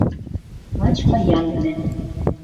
Лач паянвлӓн